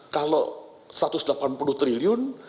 kalau satu ratus delapan puluh triliun